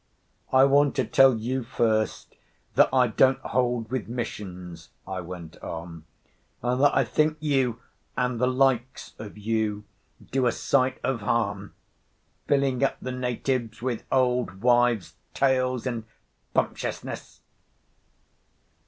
"I want to tell you first that I don't hold with missions," I went on, "and that I think you and the likes of you do a sight of harm, filling up the natives with old wives' tales and bumptiousness."